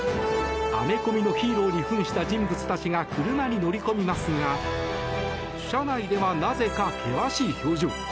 アメコミのヒーローに扮した人物たちが車に乗り込みますが車内では、なぜか険しい表情。